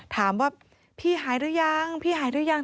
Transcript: ถามว่าพี่หายแล้วยังพี่หายแล้วยัง